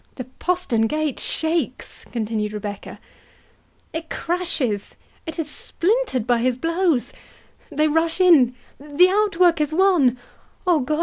"The postern gate shakes," continued Rebecca; "it crashes—it is splintered by his blows—they rush in—the outwork is won—Oh, God!